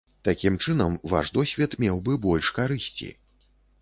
Такім чынам ваш досвед меў бы больш карысці.